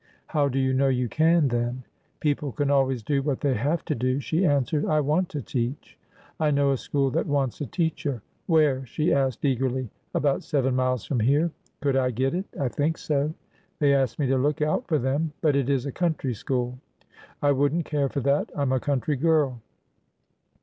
" How do you know you can, then ?" 365 366 ORDER NO. 11 People can always do what they have to do/' she an> swered. '' I want to teach !"" I know a school that wants a teacher/' " Where ?" she asked eagerly. About seven miles from here." " Could I get it?" I think so. They asked me to look out for them. But it is a country school." I would n't care for that. I 'm a country girl."